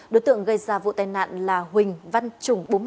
đối tượng gây ra vụ tai nạn là huỳnh văn trùng